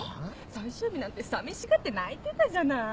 最終日なんて寂しがって泣いてたじゃない。